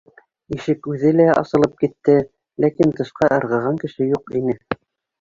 И ш ек үҙе лә аслып китте, ләкин тышҡа ырғыған кеше юк ине